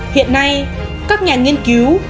hiện nay các nhà nghiên cứu